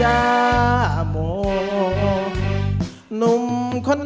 ไม่ใช้ครับไม่ใช้ครับ